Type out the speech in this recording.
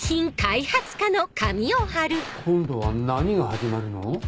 今度は何が始まるの？